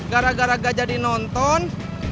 gara gara gak jadi nonton